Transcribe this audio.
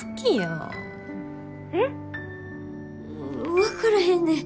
分からへんねん。